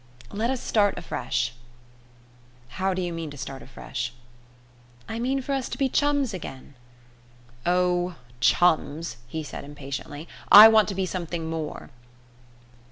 Let us start afresh." "How do you mean to start afresh?" "I mean for us to be chums again." "Oh, chums!" he said impatiently; "I want to be something more."